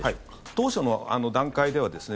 当初の段階ではですね